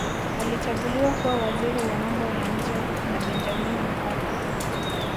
alichaguliwa kuwa waziri wa mambo ya nje na benjamini mkapa